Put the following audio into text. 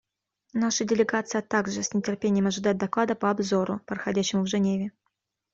Наша делегация также с нетерпением ожидает доклада по обзору, проходящему в Женеве.